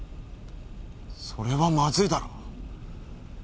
それはまずいだろ！